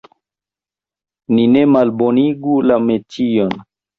Ni ne malbonigu la metion!